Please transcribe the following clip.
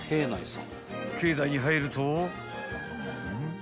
［境内に入るとんっ？